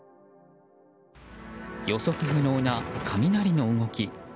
予測不能な雷の動き。